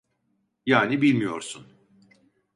Yani bilmiyorsun.